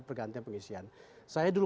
pergantian pengisian saya dulu